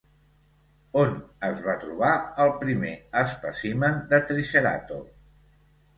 On es va trobar el primer espècimen de triceratop?